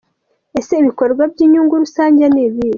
Ese ibikorwa by’inyungu rusange ni ibihe?.